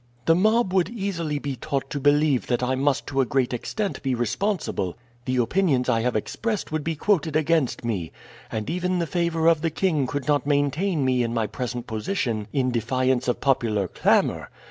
"The mob would easily be taught to believe that I must to a great extent be responsible; the opinions I have expressed would be quoted against me, and even the favor of the king could not maintain me in my present position in defiance of popular clamor.